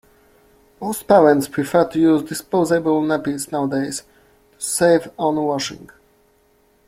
Most parents prefer to use disposable nappies nowadays, to save on washing